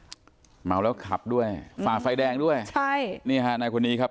เมาแล้วขับด้วยฝ่าไฟแดงด้วยใช่นี่ฮะนายคนนี้ครับ